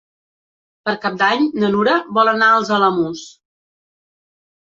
Per Cap d'Any na Nura vol anar als Alamús.